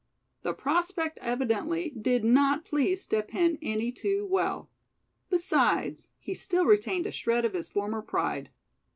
The prospect evidently did not please Step Hen any too well; besides, he still retained a shred of his former pride.